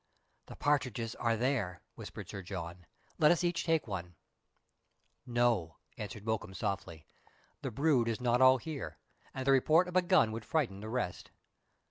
" The partridges are there," whispered Sir John ;" let us each take one." " No," answered Mokoum softly, " the brood is not all here, and the report of a gun would frighten the rest.